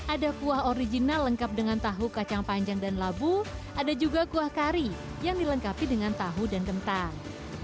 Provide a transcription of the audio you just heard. ada kuah original lengkap dengan tahu kacang panjang dan labu ada juga kuah kari yang dilengkapi dengan tahu dan kentang